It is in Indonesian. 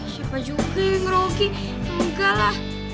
siapa juga yang ngerogi engga lah